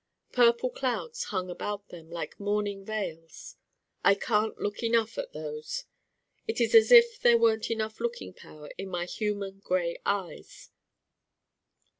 Purple clouds hung around them like mourning veils. I can't look enough at those it is as if there weren't enough looking power in my human gray eyes.